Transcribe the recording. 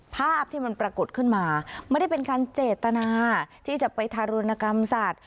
ภาพที่มันปรากฏขึ้นมาไม่ได้เป็นการเจตนาที่จะไปทารุณกรรมสัตว์